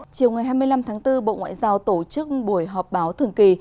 chiều ngày hai mươi năm tháng bốn bộ ngoại giao tổ chức buổi họp báo thường kỳ